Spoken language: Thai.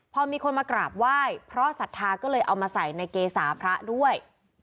พอมีคนมากราบไหว้เพราะศรัทธาก็เลยเอามาใส่ในเกษาพระด้วย